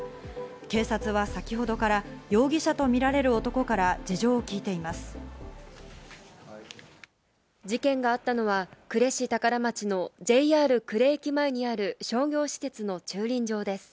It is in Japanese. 警察は先ほどから容疑者とみられる男から事件があったのは、呉市宝町のＪＲ呉駅前にある商業施設の駐輪場です。